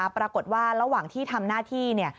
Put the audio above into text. ปรากฏว่าระหว่างที่ทำหน้าที่เนี่ย